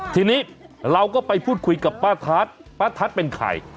ทีนี้เราก็ไปพูดคุยกับป้าทัศน์ป้าทัศน์เป็นใคร